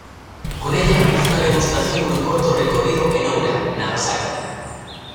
Con ella hizo una demostración con un corto recorrido en Oura, Nagasaki.